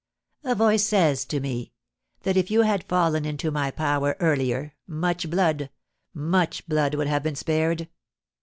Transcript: A voice says to me, that, if you had fallen into my power earlier, much blood, much blood would have been spared.